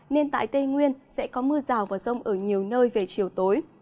nên tại tây nguyên sẽ có mưa rào và rông ở nhiều nơi về chiều tối